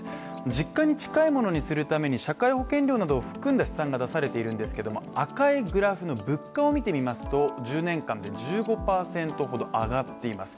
実感に近いものにするために社会保障などを含んだ数字になっているんですが赤いグラフの物価を見てみますと１０年間で１５％ほど上がっています。